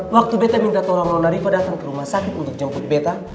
waktu beta minta tolong nariba datang ke rumah sakit untuk jemput beta